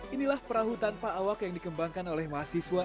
inilah perahu tanpa awak yang dikembangkan oleh mahasiswa